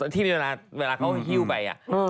ที่เวลาเขาหิ้วไป